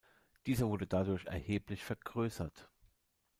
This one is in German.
Dieser wurde dadurch erheblich vergrößert.